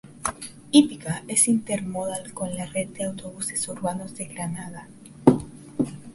Hípica es intermodal con la red de autobuses urbanos de Granada.